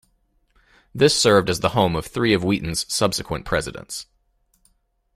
This served as the home of three of Wheaton's subsequent presidents.